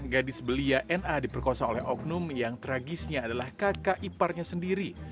gadis belia na diperkosa oleh oknum yang tragisnya adalah kakak iparnya sendiri